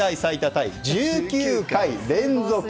タイ１９回連続。